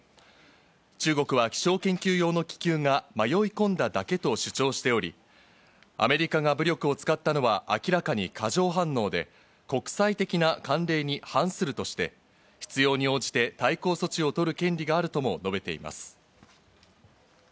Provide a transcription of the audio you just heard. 中国は気象研究用の気球が迷い込んだだけと主張しており、アメリカが武力を使ったのは明らかに過剰反応で国際的な慣例に反するとして、必要に応じて対抗措置を取る権利があると述べています。